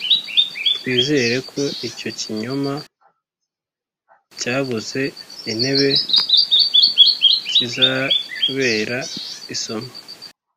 twizere ko icyo kinyoma cyabuze intebe kizabera isomo,